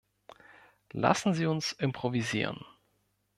Lassen Sie uns improvisieren.